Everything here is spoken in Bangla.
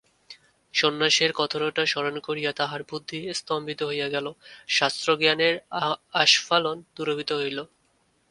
সন্ন্যাসের কঠোরতা স্মরণ করিয়া তাহার বুদ্ধি স্তম্ভিত হইয়া গেল, শাস্ত্রজ্ঞানের আস্ফালন দূরীভূত হইল।